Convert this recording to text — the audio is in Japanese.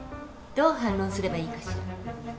どう反論すればいいかしら？